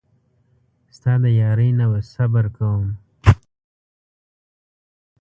ستا د یارۍ نه به صبر کوم.